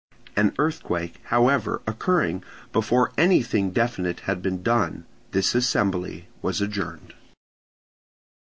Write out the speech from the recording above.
An earthquake, however, occurring, before anything definite had been done, this assembly was adjourned.